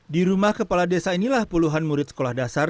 di rumah kepala desa inilah puluhan murid sekolah dasar